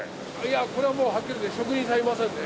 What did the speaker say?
これはもうはっきり言って職人さんいませんね。